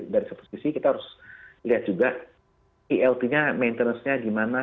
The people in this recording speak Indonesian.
dari satu sisi kita harus lihat juga elp nya maintenance nya gimana